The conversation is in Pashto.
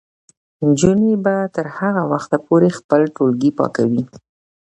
نجونې به تر هغه وخته پورې خپل ټولګي پاکوي.